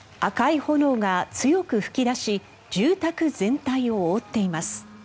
赤い炎が強く噴き出し住宅全体を覆っています。